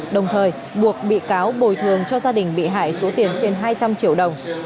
đồng thời buộc bị cáo bồi thường cho gia đình bị hại số tiền trên hai trăm linh triệu đồng